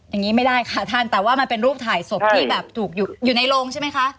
อย่างนี้ไม่ได้ค่ะท่านแต่ว่ามันเป็นรูปถ่ายศพที่แบบถูกอยู่ในโรงใช่ไหมคะ